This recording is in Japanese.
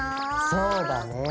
そうだね。